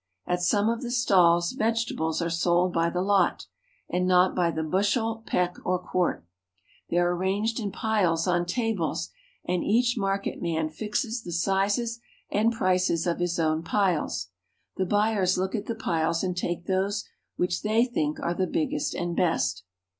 At some of the stalls vegetables are sold by the lot, and not by the bushel, peck, or quart. The}^ are arranged in piles on tables, and each marketman fixes the sizes and prices of his own piles. The buyers look at the piles and take those which they think are the biggest and best.